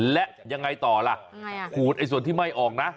และยังไงต่อล่ะขูดส่วนที่ไม่ออกนะ